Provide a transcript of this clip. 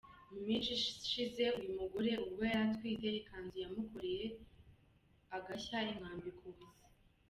Mu minsi ishize uyu mugore ubwo yari atwite ikanzu yamukoreye igashya imwambika ubusa.